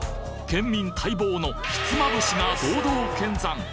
県民待望のひつまぶしが堂々見参。